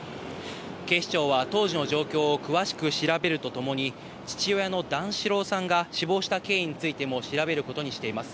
警視庁は当時の状況を詳しく調べるとともに、父親の段四郎さんが死亡した経緯についても調べることにしています。